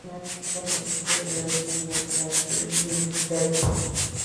No existen registros que hubiera realizado estudios universitarios.